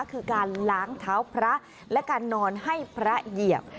คือการล้างเท้าพระและการนอนให้พระเหยียบ